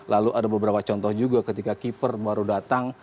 lalu ada beberapa contoh juga ketika keeper baru datang